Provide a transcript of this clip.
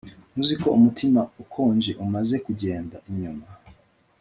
ntuzi ko umutima ukonjeumaze kugenda, 'inyuma